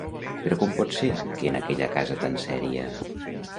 Però com pot ser que en aquella casa tant seria...?